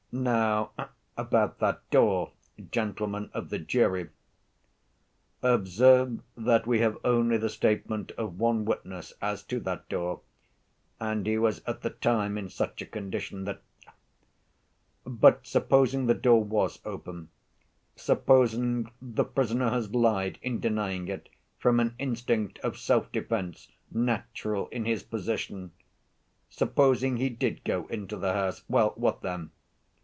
Now about that door, gentlemen of the jury.... Observe that we have only the statement of one witness as to that door, and he was at the time in such a condition, that— But supposing the door was open; supposing the prisoner has lied in denying it, from an instinct of self‐defense, natural in his position; supposing he did go into the house—well, what then?